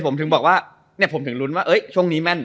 ผมถึงรุ้นว่าช่วงนี้แม่น